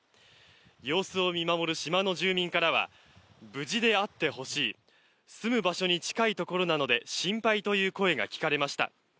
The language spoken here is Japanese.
様子を見守る島の住民からは無事であってほしい住む場所に近いところなので心配という声が聞かれました。